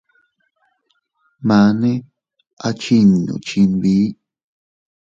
Mane a chinnu chinbi.